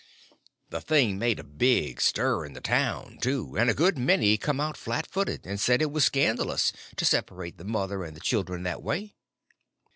The thing made a big stir in the town, too, and a good many come out flatfooted and said it was scandalous to separate the mother and the children that way.